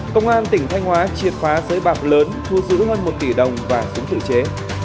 công an tỉnh thanh hóa triệt phá sới bạc lớn thu giữ hơn một tỷ đồng và súng tự chế